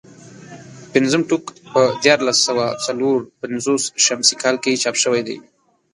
پنځم ټوک په دیارلس سوه څلور پنځوس شمسي کال کې چاپ شوی دی.